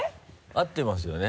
合ってますよね？